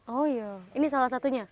oh iya ini salah satunya